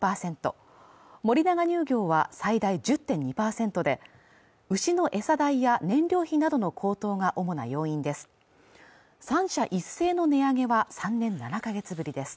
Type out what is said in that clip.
森永乳業は最大１０．２％で牛の餌代や燃料費などの高騰が主な要因です